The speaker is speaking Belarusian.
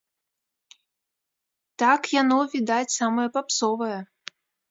Так, яно, відаць, самае папсовае!